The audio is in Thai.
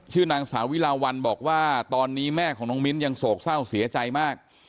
นางสาวิลาวันบอกว่าตอนนี้แม่ของน้องมิ้นยังโศกเศร้าเสียใจมาก